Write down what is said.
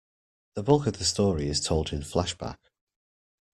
The bulk of the story is told in flashback.